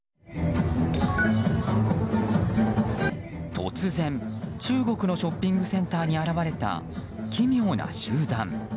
突然、中国のショッピングセンターに現れた奇妙な集団。